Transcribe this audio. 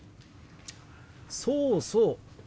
そうそう。